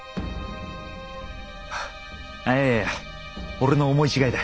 ハッああいや俺の思い違いだ。